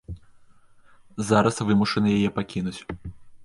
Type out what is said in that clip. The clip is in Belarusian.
Зараз вымушаны яе пакінуць.